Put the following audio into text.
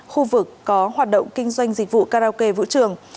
khu vực có hoạt động kinh doanh dịch vụ karaoke vũ trường